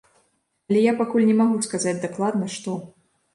Але я пакуль не магу сказаць дакладна, што.